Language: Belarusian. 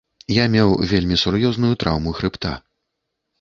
Я меў вельмі сур'ёзную траўму хрыбта.